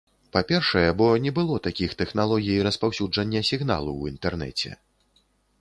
Па-першае, бо не было такіх тэхналогій распаўсюджання сігналу ў інтэрнэце.